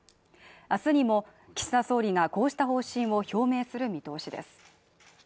明日にも岸田総理がこうした方針を表明する見通しです